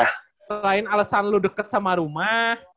itu selain alesan lu deket sama rumah